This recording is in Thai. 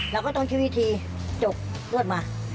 เราก็ต้องใช้วิธีจกรวดมา